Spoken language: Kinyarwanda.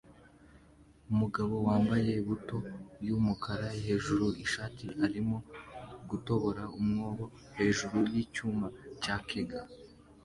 Umugabo wambaye buto yumukara hejuru ishati arimo gutobora umwobo hejuru yicyuma cya keg